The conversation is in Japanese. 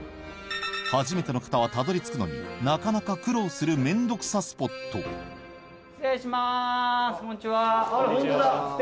初めての方はたどり着くのになかなか苦労するめんどくさスポット失礼します